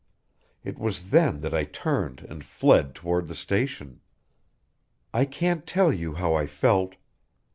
It was then that I turned and fled toward the station. "I can't tell you how I felt.